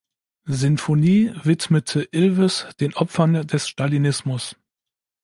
Sinfonie widmete Ilves den Opfern des Stalinismus.